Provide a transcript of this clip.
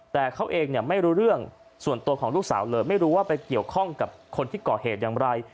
แต่เขาเองไม่รู้เรื่องส่วนตัวของลูกสาวเลยไม่รู้ว่าไปเกี่ยวข้องกับคนที่ก่อเหตุอย่างไร